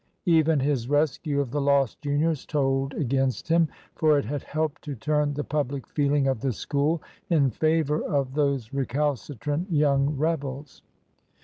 Even his rescue of the lost juniors told against him, for it had helped to turn the public feeling of the School in favour of those recalcitrant young rebels.